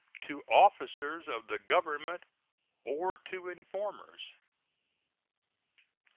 to officers of the Government or to informers.